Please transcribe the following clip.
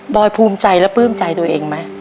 อยภูมิใจและปลื้มใจตัวเองไหม